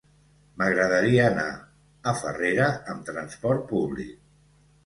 M'agradaria anar a Farrera amb trasport públic.